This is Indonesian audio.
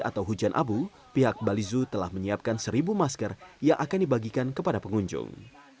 atau hujan abu pihak bali zoo telah menyiapkan seribu masker yang akan dibagikan kepada pengunjung